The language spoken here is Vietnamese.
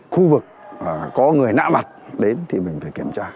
khu vực có người nạ mặt đến thì mình phải kiểm tra